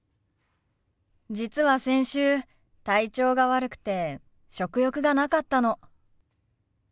実は先週体調が悪くて食欲がなかったの。